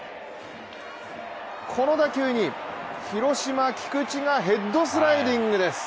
この打球に、広島・菊池がヘッドスライディングです。